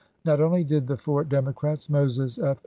Not only did the four Democrats — Moses F.